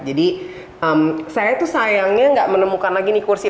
jadi saya tuh sayangnya nggak menemukan lagi nih kursi